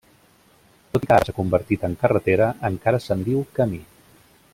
Tot i que ara s'ha convertit en carretera, encara se'n diu camí.